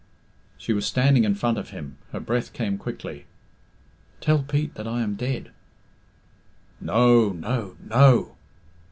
She was standing in front of him. Her breath came quickly. "Tell Pete that I am dead." "No, no, no."